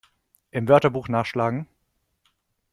Im Wörterbuch nachschlagen!